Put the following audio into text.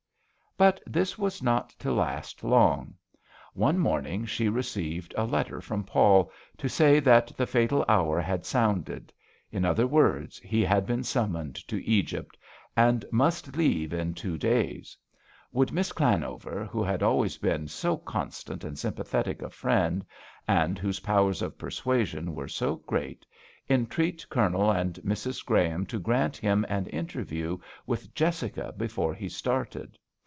But this was not to last long. One morning she received a letter from Paul to say that the fatal hour had sounded ; in other words, he had been summoned to Egypt, and must leave home in two days. Would Miss Llanover, who had always been so constant and sympathetic a friend, and whose powers of persuasion were so great, entreat Colonel and Mrs. Graham to grant him an interview with Jessica before he started?